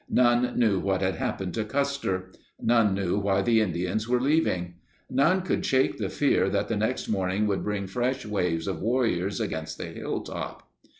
None knew what had happened to Custer. None knew why the Indians were leaving. None could shake the fear that the next morning would bring fresh waves of warriors against the hilltop.